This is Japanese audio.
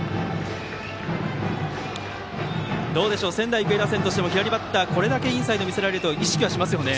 仙台育英打線としても左バッター、これだけインサイドを見せられると意識はしますよね。